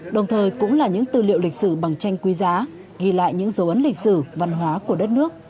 đồng thời cũng là những tư liệu lịch sử bằng tranh quý giá ghi lại những dấu ấn lịch sử văn hóa của đất nước